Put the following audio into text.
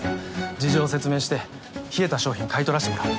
事情を説明して冷えた商品買い取らしてもらおう。